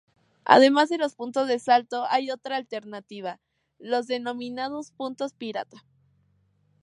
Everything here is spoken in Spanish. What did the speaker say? Además de los puntos de salto, hay otra alternativa, los denominados puntos pirata.